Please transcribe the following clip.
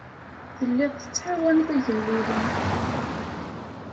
Telliḍ tettɛawaneḍ igellilen.